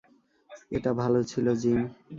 এটা ভালো ছিলো, জিম।